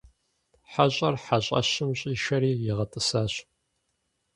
ХьэщӀэр хьэщӀэщым щӀишэри игъэтӀысащ.